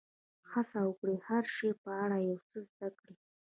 هڅه وکړئ د هر شي په اړه یو څه زده کړئ.